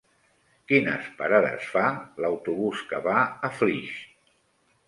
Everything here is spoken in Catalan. Quines parades fa l'autobús que va a Flix?